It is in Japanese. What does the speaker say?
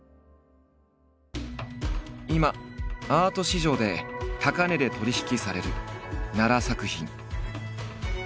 今アート市場で高値で取り引きされる奈良作品。